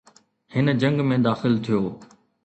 هن جنگ ۾ داخل ٿيو.